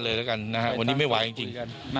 ทุกท่านเลยนะครับวันนี้ไม่ไหวจริง